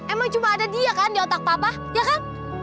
emang cuma ada dia kan di otak pabah ya kan